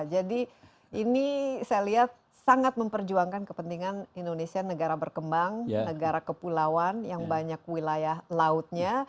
jadi ini saya lihat sangat memperjuangkan kepentingan indonesia negara berkembang negara kepulauan yang banyak wilayah lautnya